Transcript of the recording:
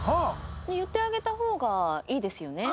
言ってあげた方がいいですよね。